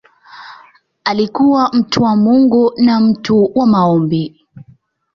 Alikuwa mtu wa Mungu na mtu wa maombi.